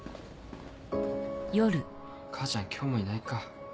母ちゃん今日もいないか。